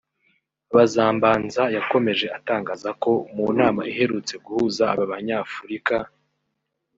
Bazambanza yakomeje atangaza ko mu nama iherutse guhuza aba banyafurika